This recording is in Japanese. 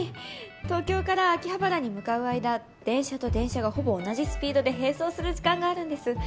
東京から秋葉原に向かう間電車と電車がほぼ同じスピードで並走する時間があるんです。